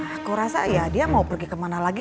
aku rasa ya dia mau pergi ke mana lagi